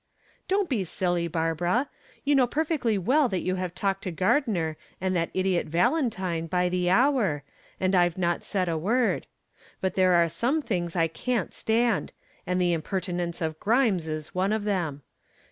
"Don't be silly, Barbara. You know perfectly well that you have talked to Gardner and that idiot Valentine by the hour, and I've not said a word. But there are some things I can't stand, and the impertinence of Grimes is one of them.